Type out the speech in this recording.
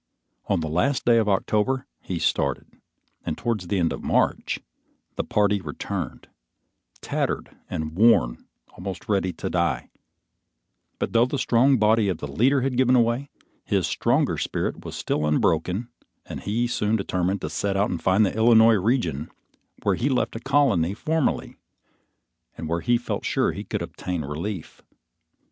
On the last day of October, he started, and towards the end of March, the party returned, tattered and worn, almost ready to die; but though the strong body of the leader had given away, his stronger spirit was still unbroken, and he soon determined to set out to find the Illinois region where he left a colony formerly, and where he felt sure he could obtain relief.